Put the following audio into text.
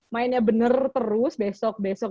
mainnya bener terus besok besok